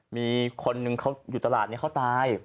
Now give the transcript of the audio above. มีคนนึงเขาอยู่ตลาดนี้เขาตาย